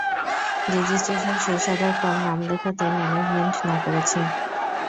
Registration শেষ হবার পর নাম লেখাতে ম্যানেজমেন্ট না করেছে।